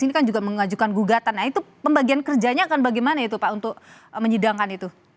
ini kan juga mengajukan gugatan nah itu pembagian kerjanya akan bagaimana itu pak untuk menyidangkan itu